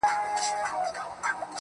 o سم لكه ماهى يو سمندر تر ملا تړلى يم.